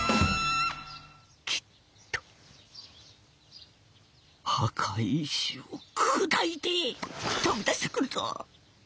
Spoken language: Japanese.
「きっと墓石を砕いて飛び出してくるぞ」。